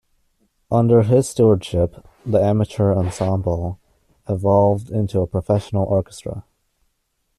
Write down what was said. Under his stewardship, the amateur ensemble evolved into a professional orchestra.